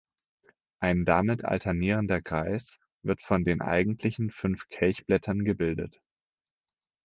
Ein damit alternierender Kreis wird von den eigentlichen fünf Kelchblättern gebildet.